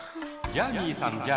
ジャーニーさん